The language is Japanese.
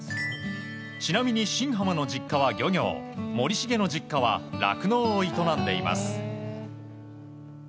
ちなみに、新濱の実家は漁業森重の実家は酪農を営んでいます。